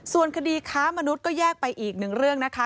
ส่วนคดีค้ามนุษย์ก็แยกไปอีกหนึ่งเรื่องนะคะ